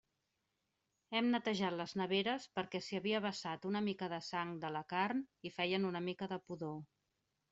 Hem netejat les neveres perquè s'hi havia vessat una mica de sang de la carn i feien una mica de pudor.